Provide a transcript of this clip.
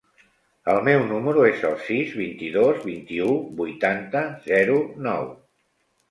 El meu número es el sis, vint-i-dos, vint-i-u, vuitanta, zero, nou.